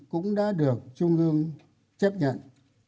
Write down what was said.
cũng đã được trung ương chấp nhận